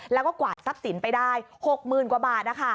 แล้วก็กวาดทรัพย์สินไปได้๖๐๐๐กว่าบาท